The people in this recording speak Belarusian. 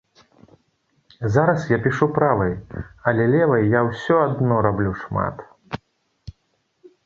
Зараз я пішу правай, але левай я ўсё адно раблю шмат.